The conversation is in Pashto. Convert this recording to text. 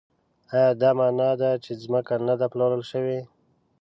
ایا دا مانا ده چې ځمکه نه ده پلورل شوې؟